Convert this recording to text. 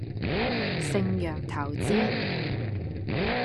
盛洋投資